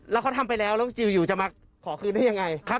แล้วเขาทำไปแล้วแล้วจิลอยู่จะมาขอคืนได้ยังไง